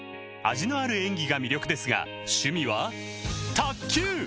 味のある演技が魅力ですが趣味は卓球！